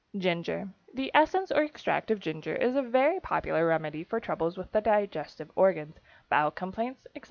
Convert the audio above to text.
=Ginger.= The essence or extract of ginger is a very popular remedy for trouble with the digestive organs, bowel complaints, etc.